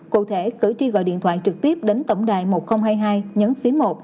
cụ thể cử tri gọi điện thoại trực tiếp đến tổng đài một nghìn hai mươi hai nhấn phía một